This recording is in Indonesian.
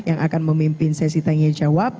yang akan memimpin sesi tanya jawab